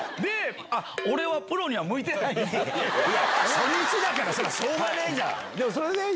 初日だからしょうがねえじゃん！